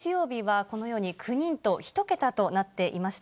先週の月曜日はこのように９人と、１桁となっていました。